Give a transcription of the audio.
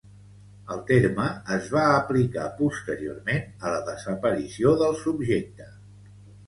El terme es va aplicar posteriorment a la desaparició del subjecte.